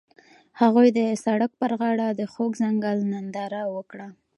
هغوی د سړک پر غاړه د خوږ ځنګل ننداره وکړه.